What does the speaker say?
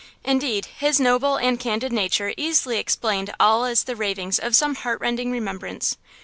Indeed, his noble and candid nature easily explained all as the ravings of some heartrending remembrance.